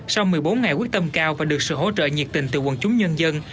sau một mươi bốn ngày quyết tâm cao và được sự hỗ trợ nhiệt tình từ quần chúng nhân dân